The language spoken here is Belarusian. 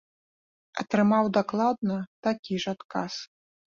Атрымаў дакладна такі ж адказ.